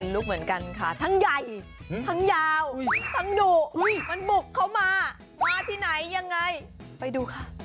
ลูกเหมือนกันค่ะทั้งใหญ่ทั้งยาวทั้งดุ